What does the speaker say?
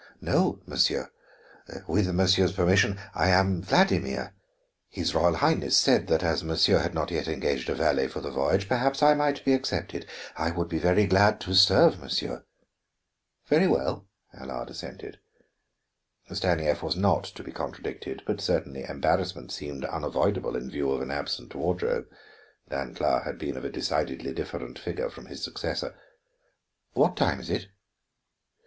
"No, monsieur. With monsieur's permission, I am Vladimir. His Royal Highness said that as monsieur had not yet engaged a valet for the voyage, perhaps I might be accepted. I would be very glad to serve monsieur." "Very well," Allard assented. Stanief was not to be contradicted, but certainly embarrassment seemed unavoidable in view of an absent wardrobe. Dancla had been of a decidedly different figure from his successor. "What time is it?"